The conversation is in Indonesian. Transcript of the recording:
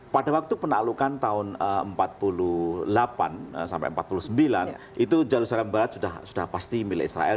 pada waktu penaklukan tahun empat puluh delapan sampai empat puluh sembilan itu jerusalem barat sudah pasti milik israel